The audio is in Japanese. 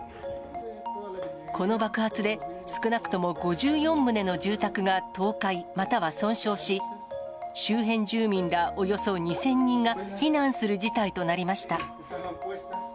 この爆発で、少なくとも５４棟の住宅が倒壊、または損傷し、周辺住民らおよそ２０００人が避難する事態となりました。